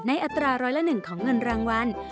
อัตราร้อยละ๑ของเงินรางวัล